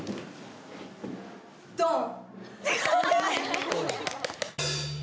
ドン！